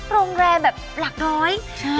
รงก์แรงแบบลักร้อย